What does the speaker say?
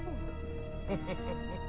フフフフ。